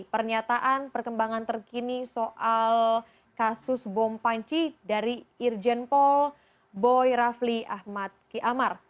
pernyataan perkembangan terkini soal kasus bom panci dari irjen pol boy rafli ahmad kiamar